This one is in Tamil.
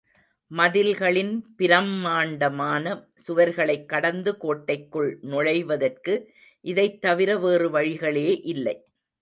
மதில்களின் பிரம்மாண்டமான சுவர்களைக் கடந்து கோட்டைக்குள் நுழைவதற்கு இதைத் தவிர வேறு வழிகளே இல்லை.